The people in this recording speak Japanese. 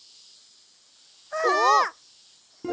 あっ！